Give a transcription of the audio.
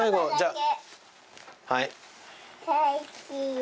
はい。